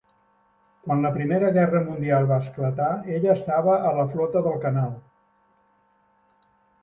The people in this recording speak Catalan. Quan la Primera Guerra Mundial va esclatar, ella estava a la Flota del Canal.